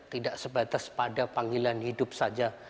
tidak sebatas pada panggilan hidup saja